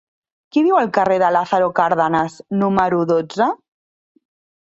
Qui viu al carrer de Lázaro Cárdenas número dotze?